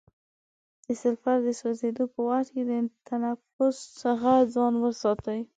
د سلفر د سوځیدو په وخت کې د تنفس څخه ځان وساتئ.